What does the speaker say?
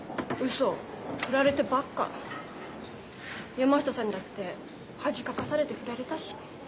山下さんにだって恥かかされて振られたし。